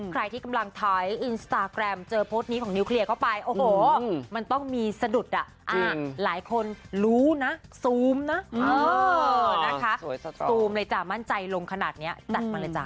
ใครที่กำลังถ่ายอินสตาแกรมเจอโพสต์นี้ของนิวเคลียร์เข้าไปโอ้โหมันต้องมีสะดุดอ่ะหลายคนรู้นะซูมนะซูมเลยจ้ะมั่นใจลงขนาดนี้จัดมาเลยจ้